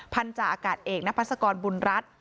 พันธาอากาศเอกนพัศกรบุญรัฐ